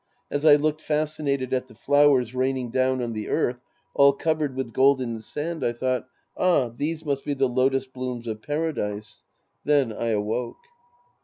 As I looked fascinated at the flowers raining down on the earth all covered with golden sand, I thought, " Ah, these must be the lotus blooms of Paradise." Then I awoke.